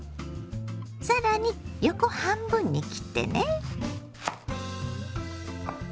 更に横半分に切ってね。